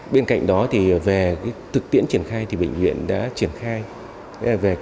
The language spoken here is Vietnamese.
bên cạnh đó về thực tiễn triển khai thì bệnh viện đã triển khai về lưng cao cơ sở vật chất